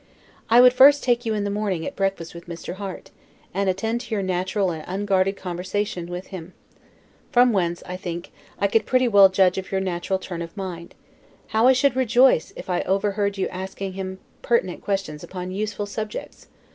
I would first take you in the morning, at breakfast with Mr. Harte, and attend to your natural and unguarded conversation with him; from whence, I think, I could pretty well judge of your natural turn of mind. How I should rejoice if I overheard you asking him pertinent questions upon useful subjects!